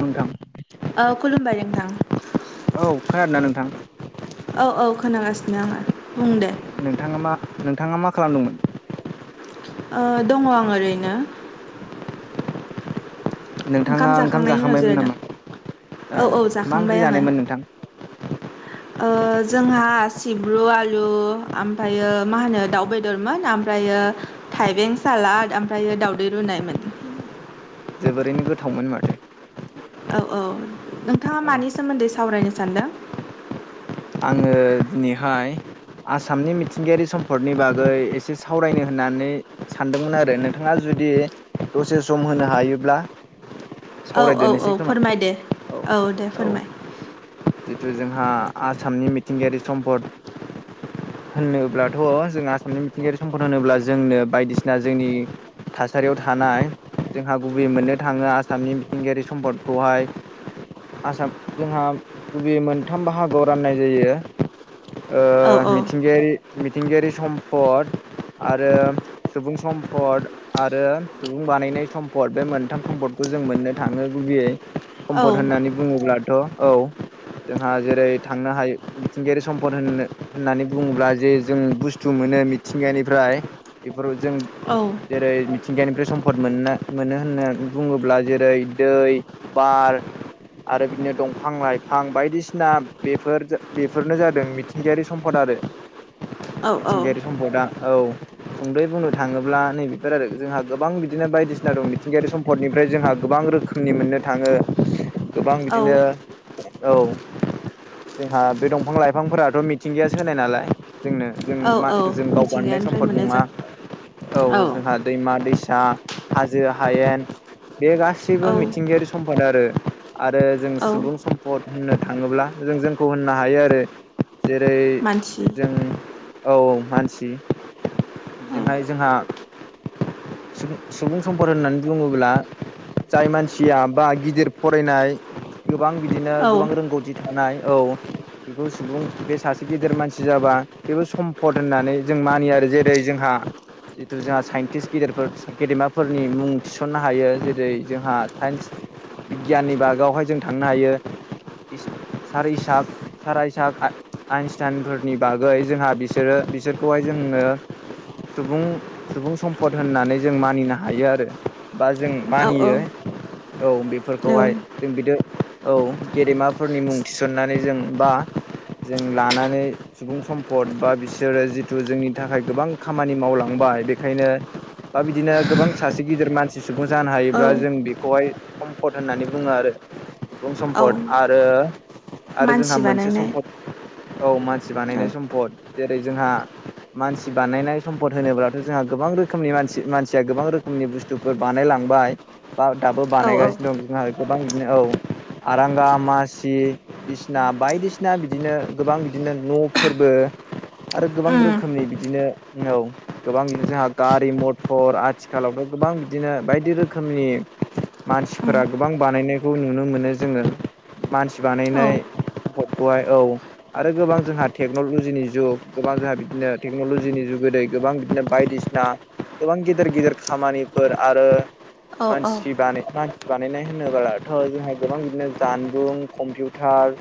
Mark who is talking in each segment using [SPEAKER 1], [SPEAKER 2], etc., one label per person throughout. [SPEAKER 1] नोंथां
[SPEAKER 2] औ खुलुमबाय नोंथां।
[SPEAKER 1] औ खोनादोना नोंथां।
[SPEAKER 2] औ औ खोनागासिनो आंङो।
[SPEAKER 1] नोंथाङा मा नोंथाङा मा खालामदोंमोन।
[SPEAKER 2] ओ दंङ आं ओरैनो।
[SPEAKER 1] नोंथाङा
[SPEAKER 2] ओंखाम जाखांनायनि उनाव
[SPEAKER 1] जाखांबायमोन नामा ए
[SPEAKER 2] जिरायदों औ औ
[SPEAKER 1] मा ओंख्रि
[SPEAKER 2] जाखांबाय आङो।
[SPEAKER 1] जानायमोन नोंथां
[SPEAKER 2] ओ जोंहा। सिब्रु आलु ओमफ्रायो मा होनो दाउ बेदरमोन ओमफ्रायो थाइबें सा लाद ओमफ्रायो दावदै रुनायमोन।
[SPEAKER 1] जोबोरैनो गोथावमोन माथो।
[SPEAKER 2] औ औ नोंथाङा
[SPEAKER 1] औ
[SPEAKER 2] मानि सोमोन्दै सावरायनो सानदों?
[SPEAKER 1] आङो दिनैहाय आसामनि मिथिंगायारि सम्पदनि बागै एसे सावरायनो होननानै सानदोंमोन आरो नोंथाङा जु दि दसे सम होनो हायोब्ला।
[SPEAKER 2] औ औ
[SPEAKER 1] सावरायदेरनोसै
[SPEAKER 2] औ
[SPEAKER 1] खोमा
[SPEAKER 2] फोरमाय दे
[SPEAKER 1] औ
[SPEAKER 2] दे
[SPEAKER 1] औ
[SPEAKER 2] फोरमाय
[SPEAKER 1] जिथु जोंहा आसामनि मिथिंगायारि सम्पद होनोब्लाथ' जों आसामनि मिथिंगायारि सम्पद होनोब्ला जोंनो बायदिसिना जोंनि थासारियाव थानाय। जोंहा गुबै मोननो थाङो आसामनि मिथिंगायारि सम्पदखौहाय आसाम जोंहा गुबै मोनथाम बाहा [unintelligible] गोआव राननाय जायो
[SPEAKER 2] औ
[SPEAKER 1] ओ मिथिंगायारि मिथिंगायारि सम्पद। आरो सुबुं सम्फद आरो सुबुं बानायनाय सम्फद बे मोनथाम सम्दखौ। जों मोननो थाङो गुबैयै।
[SPEAKER 2] औ
[SPEAKER 1] सम्पद होननानै बुङोब्लाथ' औ जोंहा जेरै थांनो हायो मिथिंगायारि सम्पद होननो होननानै बुङोब्ला जे जों बुस्थु मोनो मिथिंगानिफ्राय बेफोराव जों जेरै मिथिंगनिफ्राय सम्फद मोननो मोनो होननानै बुङोब्ला जेरै दै, बार आरो बिदिनो दंफां लाइफां बायदिसिना बेफोर बेफोरनो जादों मिथिंगायारि सम्पद आरो
[SPEAKER 2] औ
[SPEAKER 1] मिथिंगायारि सम्पदा औ सुंदयै बुंनो थाङोब्ला नैबेफोर आरो जोंहा गोबां बिदिनो बायदिसिना दं मिथिंगायारि सम्दनिफ्राय जोंहा गोबां गोबां रोखोमनि मोननो थाङो गोबां
[SPEAKER 2] औ
[SPEAKER 1] बिदिनो औ जोंहा बे दंफां लाइफांफोराथ' मिथिंगायासो होनाय नालाय। जोंनो जों
[SPEAKER 2] औ
[SPEAKER 1] मा
[SPEAKER 2] औ
[SPEAKER 1] जों गाव बानायनाय
[SPEAKER 2] मिथिंगानिफ्राय
[SPEAKER 1] सम्फद
[SPEAKER 2] मोनो
[SPEAKER 1] नङा।
[SPEAKER 2] जों
[SPEAKER 1] औ जोंहा दैमा दैसा हाजो, हायेन बे
[SPEAKER 2] औ
[SPEAKER 1] गासैबो मिथिंगायारि सम्पाद आरो। आरो जों
[SPEAKER 2] औ
[SPEAKER 1] सुबुं सम्पद होननो थाङोब्ला जों जोंखौ होननो हायो आरो। जेरै
[SPEAKER 2] मानसि
[SPEAKER 1] जों औ औ मानसि।
[SPEAKER 2] औ
[SPEAKER 1] बिजोंहाय जोंहा। सुबुं सम्पद होननानै बुङोब्ला। जाय मानसिया बा गिदिर फरायनाय गोबां बिदिनो
[SPEAKER 2] औ
[SPEAKER 1] गोबां रोंगौथि थानाय। औ बेखौ सुबुं बे सासे गेदेर मानसि जाबा बेबो सम्फद होननानै जों मानियो आरो जेरै जोंहा। जिथु जोंहा साइन्टिस। गेदेरफोर गेदेमाफोरनि मुं थिसननो हायो जेरै जोंहा साइन्स बिगियाननि बागावहाय जों थांनो हायो सारिसाग सारायसाग आइनस्टाइनफोरनि बागै जोंहा बिसोरो बिसोरखौहाय जोङो सुबुं सुबुं सम्फद होननानै जों मानिनो हायो आरो। बा जों
[SPEAKER 2] औ
[SPEAKER 1] मानियो औ बेफोरखौहाय जों बिदि औ गेदेमाफोरनि मुं थिसननानै जों बा जों लानानै सुबुं सम्फद बा बिसोरो जिथु जोंनि थाखाय गोबां खामानि मावला बाय बेखायनो बा बिदिनो गोबां सासे गिदिर मानसि सुबुं जानो
[SPEAKER 2] औ
[SPEAKER 1] हायोब्ला जों बेखौहाय सम्फद होननानै बुङो अरो सुबुं
[SPEAKER 2] औ
[SPEAKER 1] सम्पद आरो आरो जोंहा
[SPEAKER 2] मानसि
[SPEAKER 1] मोनसे
[SPEAKER 2] बानायनाय
[SPEAKER 1] सम्पद औ मानसि बानायनाय
[SPEAKER 2] औ
[SPEAKER 1] सम्फद जेरै जोंहा मानसि बानायनाय सम्पद होनोब्लाथ' जोंहा गोबां रो खोनि मानसि मानसिया गोबां रोखोमनि बुस्तुफोर बानायलांबाय बा दाबो
[SPEAKER 2] औ औ
[SPEAKER 1] बानायगासिनो दं गोबां बिदिनो औ आरांगा, मासि, बिसना बायदिसिना बिदिनो गोबां बिदिनो न' फोरबो आरो गोबां
[SPEAKER 2] उम
[SPEAKER 1] रोखोमनि बिदिनो औ गोबांनो जोंहा गारि, मथर आथिखालावथ' गोबां बिदिनो बायदि रोखोमनि मानसिफोरा
[SPEAKER 2] उम
[SPEAKER 1] गोबां बानायनायखौ नुनो मोनो जोङो मानसि
[SPEAKER 2] औ
[SPEAKER 1] बानायनाय सम्पदखौहाय औ आरो गोबां जोंहा टेक्न'लजिनि जुग गोबां जोंहा बिदिनो टेक्न'लजिनि गोदै गोबां बिदिनो बायदि सि ना गोबां गेदेर गेदिर खामानिफोर आरो
[SPEAKER 2] औ औ
[SPEAKER 1] मानसि बानाय बानायनाय होनोब्लाथ' जोंहा गोबां बिदिनो जानबुं, कम्पिउटार,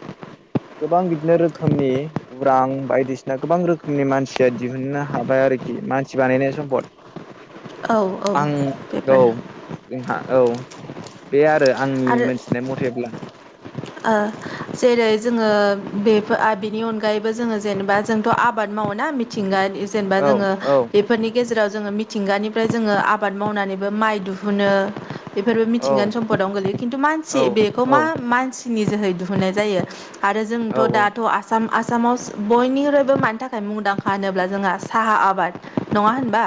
[SPEAKER 1] गोबां बिदिनो रोखोमनि उरां बायदिसिना गोबां रोखोमनि मानसिया दिहुननो हाबाय आरोखि मानसि बानायनाय सम्फद
[SPEAKER 2] औ औ
[SPEAKER 1] आं औ
[SPEAKER 2] बेफोरनो
[SPEAKER 1] जोंहा औ बे आरो आंनि
[SPEAKER 2] आरो
[SPEAKER 1] मोनथिनाय मथेब्ला
[SPEAKER 2] ओ जेरै
[SPEAKER 1] औ
[SPEAKER 2] जोङो बे बिनि अनगायैबो जोङो जेनेबा जोंथ' आबाद मावोना मिथिंगानि जेनेबा जोङो बेफोरनि गेजेराव जोङो मिथिंगानिफ्राय जोङो आबाद मावनानैबो माइ दिहुनो बेफोरबो
[SPEAKER 1] औ
[SPEAKER 2] मिथिंगानि सम्फदावनो गोलैयो खिन्थु
[SPEAKER 1] औ
[SPEAKER 2] मानसि बेखौ मा मानसिनि जोहै दिहुननाय जायो। आरो
[SPEAKER 1] औ
[SPEAKER 2] जोंथ' दाथ' आसाम आसामाव बयनिख्रुइबो मानि थाखाय मुंदांखा होनोब्ला जोंहा साहा आबाद नङा होनबा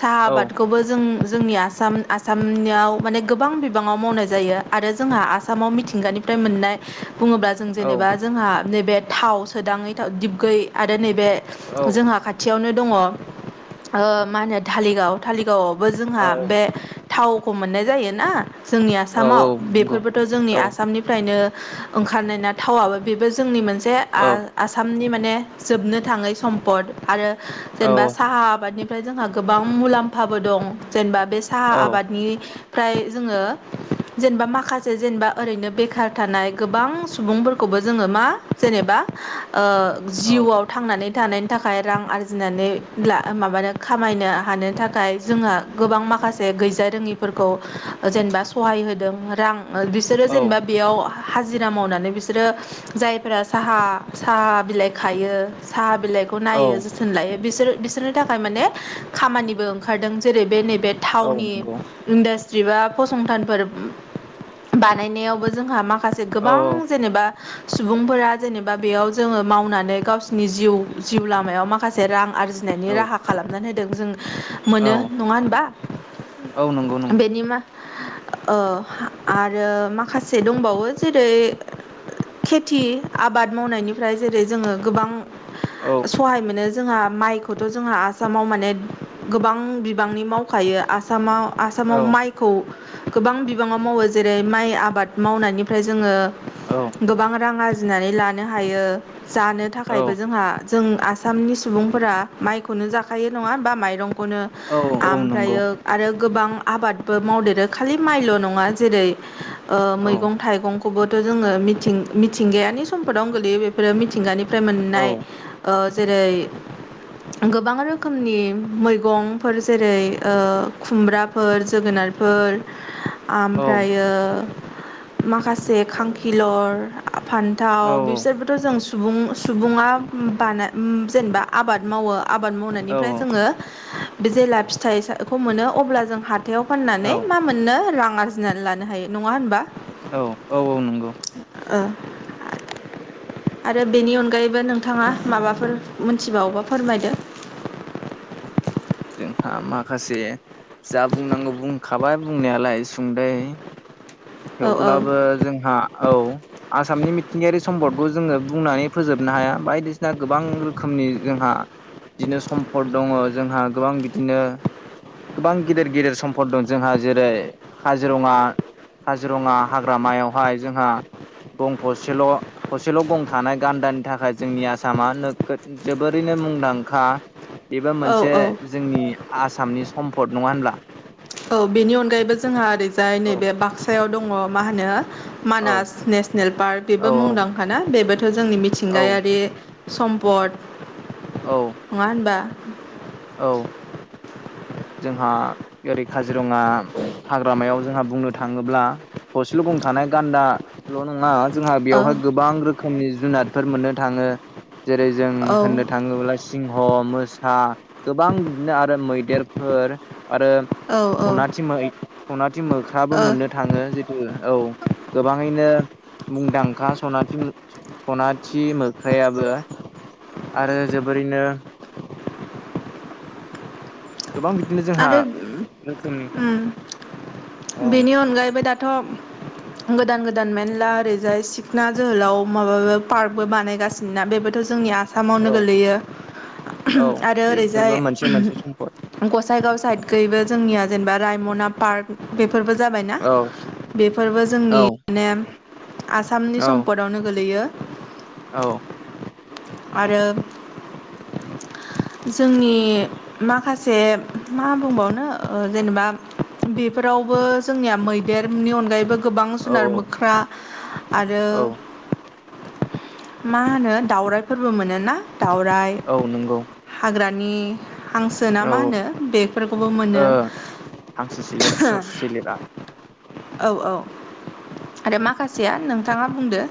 [SPEAKER 2] साहा आबादखौबो जों जोंनि आसाम आसामनियाव माने गोबां बिबाङाव मावनाय जायो। आरो जोंहा आसामाव मिथिंगानिफ्राय मोननाय बुङोब्ला जों
[SPEAKER 1] औ
[SPEAKER 2] जेनेबा जोंहा नैबे थाव सोदाङै थाव दिबगै आरो नैबे जोंहा खाथियावनो दङ ओ मा होनो धालिगाव धालिगावआवबो
[SPEAKER 1] औ
[SPEAKER 2] जोंहा बे थावखौ मोननाय जायोना जोंनि
[SPEAKER 1] औ
[SPEAKER 2] आसामाव
[SPEAKER 1] नंगौ
[SPEAKER 2] बेफोरबोथ'
[SPEAKER 1] औ
[SPEAKER 2] जोंनि आसामनिफ्राय नो ओंखारनायना थावआबो बेबो जोंनि मोनसे
[SPEAKER 1] औ
[SPEAKER 2] आ आसामनि मा ने जोबनो थाङै सम्पद आरो
[SPEAKER 1] औ
[SPEAKER 2] जेनबा साहा आबादनि फाय जोंहा गोबां मुलाम्फाबो दं जेनेबा बे साहा आबादनि फ्राय जोङो जेनबा माखासे जेनबा ओरैनो बेखार थानाय गोबां सुबुंफोरखौबो जोङो मा जेनेबा ओ
[SPEAKER 1] औ
[SPEAKER 2] जिउआव थांनानै थानायनि थाखाय रां आरजिनानै ब्ला माबानो खामायनो हानो थाखाय जोंहा गोबां माखासे गैजा रोङिफोरखौ जेनेबा सहाय हो दों रां ओ बिसोरो जेनेबा बेयाव हाजिरा मावनानै बिसोरो जायफोरा साहा साहा बिलाइ खायो साहा बिलाइखौ नायो जोथोन लायो बिसोर बिसोरनि थाखाय माने खामानिबो ओंखारदों जेरै बे नै बे
[SPEAKER 1] औ
[SPEAKER 2] थावनि
[SPEAKER 1] नंगौ
[SPEAKER 2] इन्डास्ट्रि बा फसंथानफोर बानायनायावबो जोंहा माखासे
[SPEAKER 1] औ औ
[SPEAKER 2] गोबां जेनेबा सुबुंफोरा जेनेबा बेयाव जोङो मावनानै गावसोरनि जिउ जिउ लामायाव माखासे रां
[SPEAKER 1] औ
[SPEAKER 2] आरजिनायनि राहा खालामनानै होदों जों
[SPEAKER 1] औ
[SPEAKER 2] मोनो नङा होनबा?
[SPEAKER 1] औ नंगौ नंगौ
[SPEAKER 2] बेनि मा ओ आरो माखासे दंबावो जेरै खेथि आबाद मावनायनिफ्राय जेरै जोङो गोबां
[SPEAKER 1] औ
[SPEAKER 2] सहाय मोनो जोंहा माइखौथ' जोंहा आसामाव माने गोबां बिबांनि मावखायो। आसामाव
[SPEAKER 1] औ
[SPEAKER 2] आसामाव माइखौ गोबां बिबाङाव मावो। जेरै- माइ आबाद मावनायनिफ्राय जोङो
[SPEAKER 1] औ
[SPEAKER 2] गोबां रां आरजिनानै लानो हायो। जानो थाखायबो जोंहा जों आसामनि सुबुंफोरा माइखौनो जाखायो नङा होमबा माइरं [unintelligible]
[SPEAKER 1] औ औ नंगौ
[SPEAKER 2] आमफ्रायो आरो गोबां आबादबो मावदेरो खालि माइल' नङा नङा । जेरै- ओ
[SPEAKER 1] औ
[SPEAKER 2] मैग-थायगं खौबोथ' जोङो मिथिं-मिथिंगायानि समपदावनो गोलैयो बेफोरो मिथिंगानि फ्राय
[SPEAKER 1] औ
[SPEAKER 2] मोननाय ओ जेरै गोबां रोखोमनि मैगंफोर जेरै- ओ-खुमब्राफोर, जोगोनार, जोगोनारफोर ।
[SPEAKER 1] औ
[SPEAKER 2] ओमफ्रायो माखासे खांखिलर फान्थाव बिसोरबोथ' जों सुबुं-सुबुङा बानाय उम जेनेबा आबाद मावो आबाद मावनायनिफ्राय जोङो बे जेला फिथाइखौ मोनो अब्ला जों हा हाथायाइाव
[SPEAKER 1] औ
[SPEAKER 2] फाननानै मा मोननो रां आरजिनानै लानो हायो । नङा होनबा?
[SPEAKER 1] औ-औ-औ नंगौ
[SPEAKER 2] [unintelligible] आरो बेनि अनगायैबो नोंथाङा माबाफोर मोनथिबावोबा फोरमायदो ।
[SPEAKER 1] [inaudible] जोंहा माखासे जा बुंनांगौ बुंखाबाय बुंनायालाय सुंद'यै ।
[SPEAKER 2] औ औ
[SPEAKER 1] थेवब्लाबो जोंहा औ आसामनि मिथिंगायारि सम्पदखौ जोङो बुंनानै फोजोबनो हाया । बायदिसिना गोबां रोखोमनि नि जोंहा बिदिनो सम्पद दङ । जोंहा गोबां बिदिनो गोबां गिदिर-गिदिर सम्पद दं। जोंहा जेरै- काजिरङा काजिरङा हाग्रामायावहाय जोंहा गं थसेल'-थसेल' गं थानाय गान्दानि थाखाय जोंनि आसामा नोगोद जोबोरैनो मुंदांखा बेबो
[SPEAKER 2] औ
[SPEAKER 1] मोनसे
[SPEAKER 2] औ
[SPEAKER 1] जोंनि आसामनि सम्पद, नङा होमब्ला?
[SPEAKER 2] औ बेनि अनगायैबो जोंहा ओरैजाय
[SPEAKER 1] औ
[SPEAKER 2] नैबे बाक्सायाव दङ' । मा होनो
[SPEAKER 1] औ
[SPEAKER 2] मानास नेसनेल पार्क
[SPEAKER 1] औ
[SPEAKER 2] बेबो मुंदांखा ना बेबोथ' जोंनि
[SPEAKER 1] औ औ
[SPEAKER 2] मिथिंगायारि सम्पद नङा होनबा?
[SPEAKER 1] औ औ जोंहा ओरै काजिरङा हाग्रामायाव जोंहा बुंनो थाङोब्ला [unintelligible] थानाय गान्दाल' नङा जोंहा
[SPEAKER 2] औ
[SPEAKER 1] बेयावहाय गोबां रोखोमनि जुनादफोर मोननो थाङो । जेरै- जों
[SPEAKER 2] औ
[SPEAKER 1] होननो थाङोब्ला सिंह, मोसा गोबां बिदिनो आरो मैदेर फोर आरो
[SPEAKER 2] औ औ
[SPEAKER 1] सनाथि मै सनाथि मोख्राबो
[SPEAKER 2] ओ
[SPEAKER 1] मोननो थाङो जितु औ गोबाङैनो मुंदांखा सनाथि-सनाथि मोख्रायाबो आरो जोबोरैनो गोबां बिदिनो जोंहा
[SPEAKER 2] आरो
[SPEAKER 1] रोखोमनि औ
[SPEAKER 2] उम-उम बेनि अनगायैबो दाथ' गोदान गोदान मेरला ओरैजाय सिखना जोहोलाव माबाबा पार्कबो बानायगासिनोना बेबोथ' जोंनि [unintelligible] आसामावनो
[SPEAKER 1] औ
[SPEAKER 2] गोलैयो ।
[SPEAKER 1] औ
[SPEAKER 2] आरो ओरैजाय
[SPEAKER 1] बेफोरबो मोनसे मोनसे सम्पद
[SPEAKER 2] गसाय गैयिबो जोगनिया जेन'बा रायम'ना पार्क [unintelligible] फोरबो जाबायना
[SPEAKER 1] औ
[SPEAKER 2] । बेफोरबो जोंनि माने [unintelligible] आसामनि
[SPEAKER 1] औ
[SPEAKER 2] सम्पदावनो गोलैयो ।
[SPEAKER 1] औ
[SPEAKER 2] आरो जोंनि माखासे मा बुंबावनो ओ जेनेबा बेफोरावबो जोंनिया मैदेरनि अनगायैबो गोबां
[SPEAKER 1] औ
[SPEAKER 2] जुनार मोख्रा आरो
[SPEAKER 1] औ
[SPEAKER 2] मा होनो दाउरायफोरबो मोनोना दाउराय
[SPEAKER 1] औ नंगौ
[SPEAKER 2] हाग्रानि नि हांसोना
[SPEAKER 1] औ
[SPEAKER 2] मा होनो बेफोरखौबो
[SPEAKER 1] ओ
[SPEAKER 2] मोनो
[SPEAKER 1] हांसो सिलेर ससु
[SPEAKER 2] ओम
[SPEAKER 1] सिलेरा
[SPEAKER 2] औ औ आरो माखासेया नोंथाङा बुंदो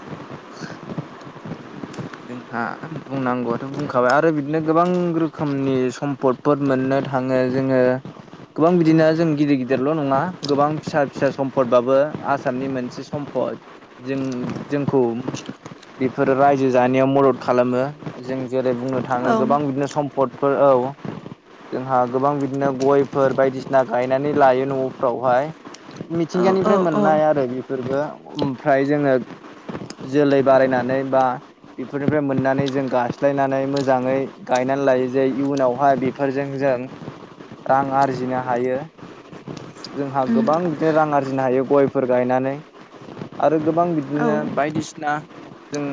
[SPEAKER 1] जों हा बुंनांगौआथ' बुंखाबाय आरो बिदिनो गोबां रोखोमनि सम्फदफोर मोननो थाङो जोङो गोबां बिदिनो जों गिदिरगिदिरल' नङा गोबां फिसा-फिसा सम्फदबाबो आसामनि मोनसे सम्फद म्पद जों जोंखौ बेफोरो राय जो जानायाव मदद खालामो जों जेरै बुंनो थाङो
[SPEAKER 2] औ
[SPEAKER 1] गोबां बिदिनो सम्पदफोर औ जोंहा गोबां बिदिनो गयफोर बायदिसिना गायनानै लायो न'फोरावहाय
[SPEAKER 2] औ औ
[SPEAKER 1] मिथिंगानिफ्राय
[SPEAKER 2] औ
[SPEAKER 1] मोननाय आरो बि फोरबो ओमफ्राय जोङो जोलै बारायनानै बा बेफोरनिफ्राय मोननानै जों गास्लायनानै मोजाङै गायनानै लायो जे इयुनावहाय बेफोरजों जों रां आरजिनो हायो जोंहा गोबां बिदिनो रां आरजिनो हायो गयफोर गायनानै आरो गोबां
[SPEAKER 2] औ
[SPEAKER 1] बिदिनो बायदिसिना जों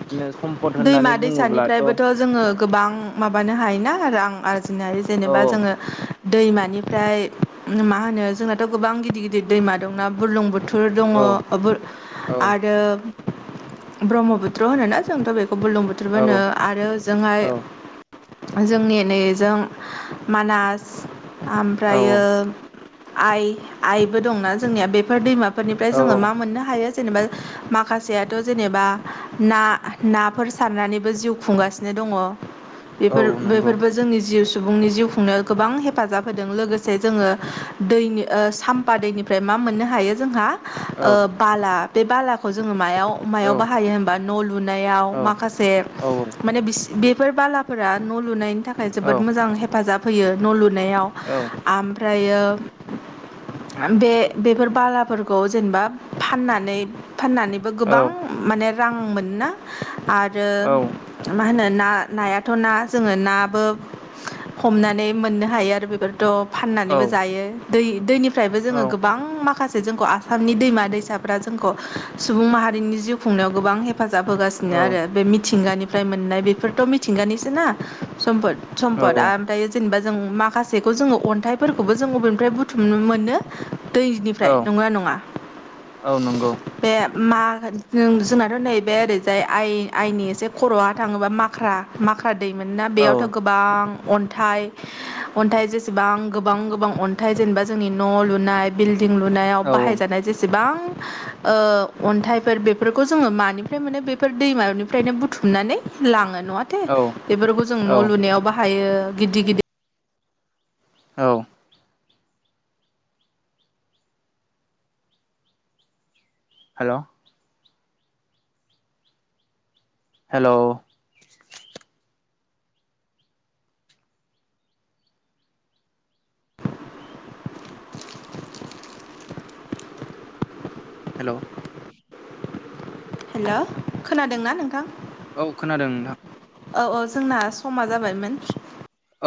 [SPEAKER 1] बिदिनो सम्पद
[SPEAKER 2] दैमा
[SPEAKER 1] होननानै बुङोब्लाथ' औ
[SPEAKER 2] दैसानिफ्रायबोथ' जोङो गोबां माबानो हायोना आरो आं आरजिनो हायो
[SPEAKER 1] औ
[SPEAKER 2] जेनेबा जों जोङो दैमानिफ्राय मा होनो जोंनाथ' गोबां गिदिर-गिदिर दैमा दंना बुरलुंबुथुर थुर दङ
[SPEAKER 1] औ
[SPEAKER 2] ओ बुर
[SPEAKER 1] औ
[SPEAKER 2] आरो ब्रह्मपुत्थ्र होनोना जोंथ' बेख खौ बुलुंबुथुरबो
[SPEAKER 1] औ
[SPEAKER 2] होनो आरो ओजोंहाय
[SPEAKER 1] औ
[SPEAKER 2] जोंनि नैजों मानास
[SPEAKER 1] औ
[SPEAKER 2] आमफ्रायो आइ आइबो दंना जोंनिया बेफोर दैमाफोरनिफ्राय
[SPEAKER 1] औ
[SPEAKER 2] जोङो
[SPEAKER 1] औ
[SPEAKER 2] मा मोननो हायो जेनेबा माखासेयाथ' जेनेबा ना ना फोर सारनानैबो जिउ खुंगासिनो दङ
[SPEAKER 1] औ
[SPEAKER 2] बेफोर
[SPEAKER 1] नंगौ
[SPEAKER 2] बेफोरबो जोंनि जिउ सु सुबुंनि जिउ खुंनायाव गोबां हेफाजाब होदों लोगोसे जोङो दैनि ओ साम्फा दैनिफ्राय मा मा मोननो हायो जोंहा ओ
[SPEAKER 1] औ
[SPEAKER 2] बाला बे बालाखौ जोङो मायाव
[SPEAKER 1] औ
[SPEAKER 2] मायाव बाहायो होनबा न' लुनायाव
[SPEAKER 1] औ
[SPEAKER 2] माखासे
[SPEAKER 1] औ
[SPEAKER 2] माने बिसि बेफोर बालाफोरा न' लुनायनि थाखाय जोबोद मोजां हेफाजाब होयो न' लुनायाव
[SPEAKER 1] औ
[SPEAKER 2] आमफ्रायो बे बेफोर बालाफोरखौ जेनेबा फाननानै फाननानैबो
[SPEAKER 1] औ
[SPEAKER 2] गोबां माने रां मोनोना आरो
[SPEAKER 1] औ
[SPEAKER 2] मा होनो ना नायाथ' ना जोङो नाबो हमनानै मोननो हायो आरो बेफोर थ' फाननानैबो जायो दै दैनिफ्रायबो जोङो गोबां माखासे जोंखौ आसामनि दैमा दैसाफ्रा जोंखौ सुबुं माहारिनि जिउ खुंनायाव गोबां हेफाजाब होग [unintelligible]
[SPEAKER 1] औ
[SPEAKER 2] आरो बे मिथिंगानिफ्राय मोननाय बेफोरथ' मिथिंगानिसो ना सम्फद सम्फद
[SPEAKER 1] औ
[SPEAKER 2] आमफ्राय जेनेबा जों माखासेखौ जोङो अन्थाइफोरखौबो जों अबेनिफ्राय बुथुमनो मोनो
[SPEAKER 1] औ
[SPEAKER 2] दैनिफ्राय नंगौना नङा
[SPEAKER 1] औ नंगौ
[SPEAKER 2] बे मा होन जोंनाथ' नैबे ओरै जाय आइ आइनि एसे खर'आ थाङोबा माख्रा माख्रा दैमोनोना
[SPEAKER 1] औ
[SPEAKER 2] बेयावथ' गोबां अन्थाइ अन्थाइ जेसेबां गोबां गोबां अन्थाइ जेनेबा जोंनि न' लुनाय बिल दिं लुनायाव
[SPEAKER 1] औ
[SPEAKER 2] बाहायजानाय जेसेबां ओ अन्थाइफोर बेफोरखौ जोङो मानिफ्राय मोनो बे बेफोर दैमानिफ्रायनो बुथुमनानै लाङो नङाथे
[SPEAKER 1] औ
[SPEAKER 2] बेफोरखौ जों
[SPEAKER 1] औ
[SPEAKER 2] न' लुनायाव बाहाय थायो गिदिर गिदिर
[SPEAKER 1] औ हेल' हेल' हेल'
[SPEAKER 2] हेल' खोनादोंना नोंथां?
[SPEAKER 1] औ खोनादों नोंथां।
[SPEAKER 2] औ औ जोंना समा जाबायमोन।